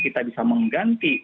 kita bisa mengganti